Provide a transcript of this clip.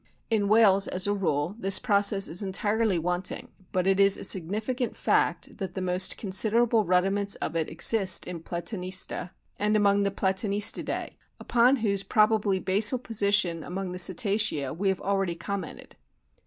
In whales, as a rule, this process is entirely wanting, but it is a significant fact that the most considerable rudiments of it exist in Platanista, and among the Platanistidae, upon whose probably basal position among the Cetacea we have already commented.